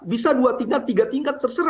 bisa dua tingkat tiga tingkat terserah